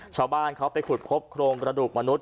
ชาวบ้านเขาไปขุดพบโครงกระดูกมนุษย